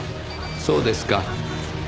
そうですか。